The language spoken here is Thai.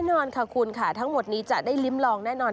แน่นอนค่ะคุณค่ะทั้งหมดนี้จะได้ลิ้มลองแน่นอน